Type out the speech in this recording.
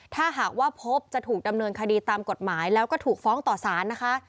ถ้าหากว่าพบจะถูกดำเนินคดีตามกฎหมายแล้วก็ถูกฟ้องต่อสารนะคะ